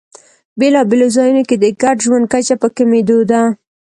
بېلابېلو ځایونو کې د ګډ ژوند کچه په کمېدو ده.